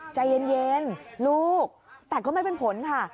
ใจเย็นลูกแต่ก็ไม่เป็นผลค่ะ